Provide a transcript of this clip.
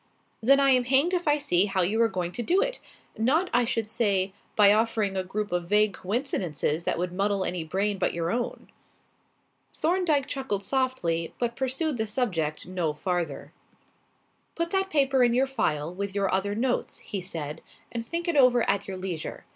"Then I am hanged if I see how you are going to do it. Not, I should say, by offering a group of vague coincidences that would muddle any brain but your own." Thorndyke chuckled softly but pursued the subject no farther. "Put that paper in your file with your other notes," he said, "and think it over at your leisure.